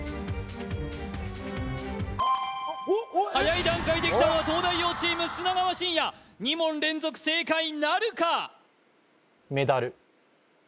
はやい段階できたのは東大王チーム砂川信哉２問連続正解なるか？